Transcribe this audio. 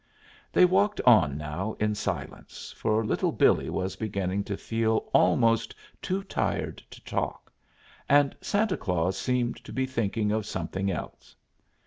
They walked on now in silence, for Little Billee was beginning to feel almost too tired to talk, and Santa Claus seemed to be thinking of something else.